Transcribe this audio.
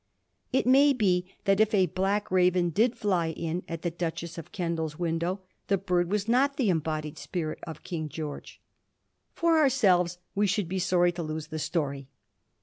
It may be that, if a black raven did fly in at the Duchess of Kendal's window, the bird was not the embodied spirit of King Greorge. For ourselves, we should be sorry to lose the story.